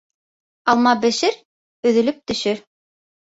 Алма бешер, өҙөлөп төшөр.